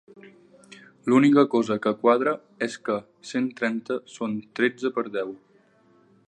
L'única cosa que quadra és que cent trenta són tretze per deu.